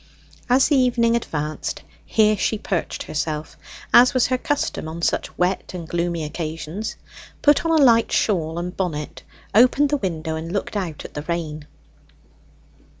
As the evening advanced here she perched herself, as was her custom on such wet and gloomy occasions, put on a light shawl and bonnet, opened the window, and looked out at the rain.